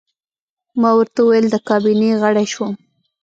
ما ورته وویل: د کابینې غړی شوم.